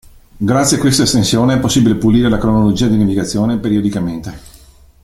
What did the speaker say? Grazie a questa estensione è possibile pulire la cronologia di navigazione periodicamente.